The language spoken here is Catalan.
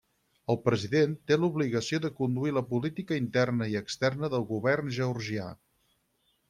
El President té l'obligació de conduir la política interna i externa del govern georgià.